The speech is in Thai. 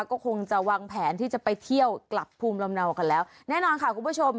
ก็คงจะวางแผนที่จะไปเที่ยวกลับภูมิลำเนากันแล้วแน่นอนค่ะคุณผู้ชม